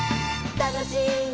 「たのしいね」